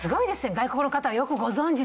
外国の方はよくご存じで。